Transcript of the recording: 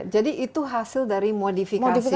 jadi itu hasil dari modifikasi